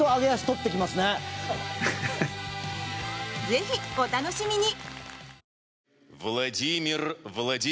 ぜひお楽しみに！